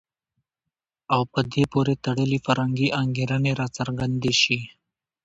او په دې پورې تړلي فرهنګي انګېرنې راڅرګندې شي.